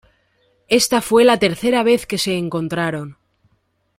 Esta fue la tercera vez que se encontraron.